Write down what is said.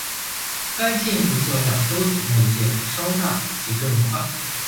该舰也较两艘姊妹舰稍大及更快。